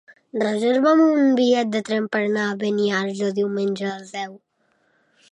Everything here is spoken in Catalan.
Reserva'm un bitllet de tren per anar a Beniarjó diumenge a les deu.